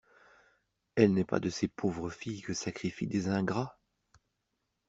Elle n'est pas de ces pauvres filles que sacrifient des ingrats?